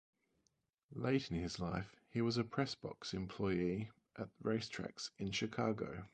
Late in his life he was a press box employee at racetracks in Chicago.